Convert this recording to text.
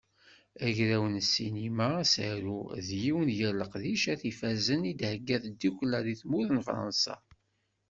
Agraw n ssinima Asaru, d yiwen gar leqdicat ifazen i d-thegga tdukkla di tmurt n Fransa.